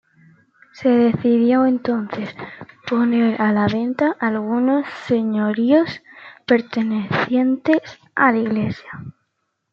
Se decidió entonces poner a la venta algunos señoríos pertenecientes a la Iglesia.